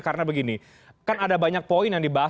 karena begini kan ada banyak poin yang dibahas